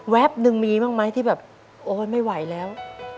หนึ่งมีบ้างไหมที่แบบโอ๊ยไม่ไหวแล้ว